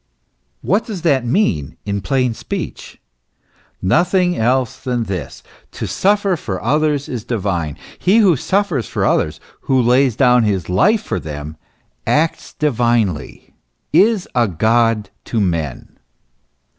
What does that mean in plain speech ? nothing else than this: to suffer for others is divine; he who suffers for others, who lays down his life for them, acts divinely, is a God to men.